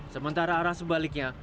sementara arah sebaliknya